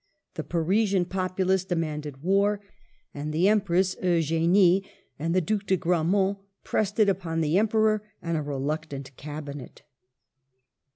The Parisian populace demanded war, and the Empress Eugenie and the Due de Gramont pressed it upon the Emperor and a reluctant Cabinet.